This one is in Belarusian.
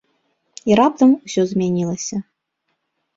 І раптам усё змянілася.